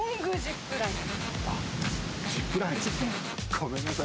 ごめんなさい。